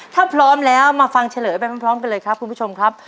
ถ้าพร้อมแล้วมาฟังเฉลยไปพร้อมกันเลยครับคุณผู้ชมครับ